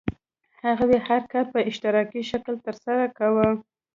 هغوی هر کار په اشتراکي شکل ترسره کاوه.